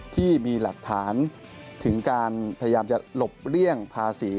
ที่มีหลักฐานถึงการพยายามจะหลบเลี่ยงภาษี